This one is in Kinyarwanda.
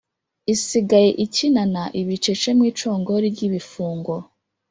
Isigaye ikinana ibicece mu icongori ry'ibifungo: